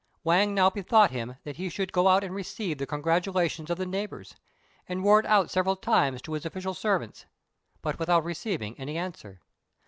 Wang now bethought him that he should go out and receive the congratulations of the neighbours, and roared out several times to his official servants; but without receiving any answer.